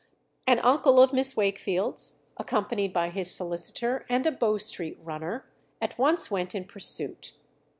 An uncle of Miss Wakefield's, accompanied by his solicitor and a Bow Street runner, at once went in pursuit.